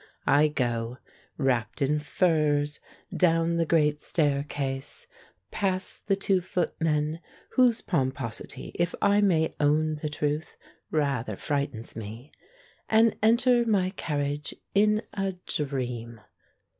I go, wrapped in furs, down the great staircase, pass the two footmen — whose pomposity, • if I may own the truth, rather frightens me — and enter my car riage in a dream.